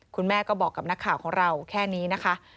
คุณแม่ก็บอกกับนักข่าวของเราแค่นี้นะคะ